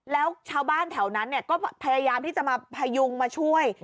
แล้วชาวบ้านแถวนั้นก็พยายามที่จะมาพยุงมาช่วย